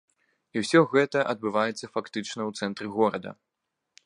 І ўсё гэта адбываецца фактычна ў цэнтры горада.